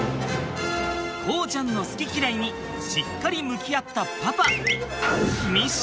航ちゃんの好き嫌いにしっかり向き合ったパパ。